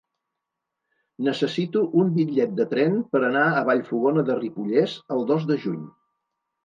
Necessito un bitllet de tren per anar a Vallfogona de Ripollès el dos de juny.